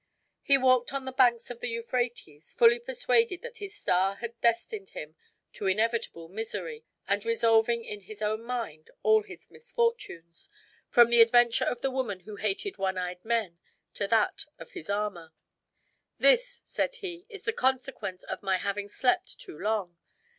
He walked on the banks of the Euphrates, fully persuaded that his star had destined him to inevitable misery, and resolving in his own mind all his misfortunes, from the adventure of the woman who hated one eyed men to that of his armor. "This," said he, "is the consequence of my having slept too long.